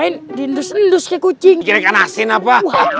ngelus ngelus kucing dijerikan asin apa